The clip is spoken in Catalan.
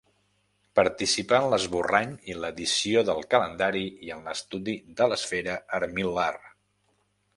Participà en l'esborrany i l'edició del calendari i en l'estudi de l'esfera armil·lar.